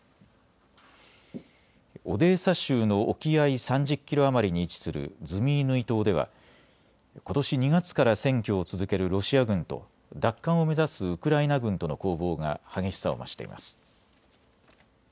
オデーサ州の沖合３０キロ余りに位置するズミイヌイ島ではことし２月から占拠を続けるロシア軍と奪還を目指すウクライナ軍との攻防が激しさを増しています。